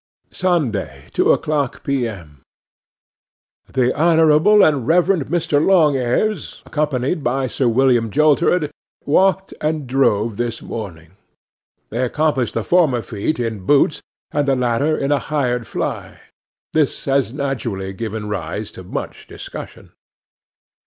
'Sunday, two o'clock, p.m. 'THE Honourable and Reverend Mr. Long Eers, accompanied by Sir William Joltered, walked and drove this morning. They accomplished the former feat in boots, and the latter in a hired fly. This has naturally given rise to much discussion.